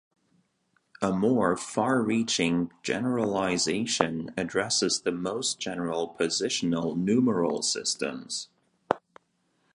A more far-reaching generalization addresses the most general positional numeral systems.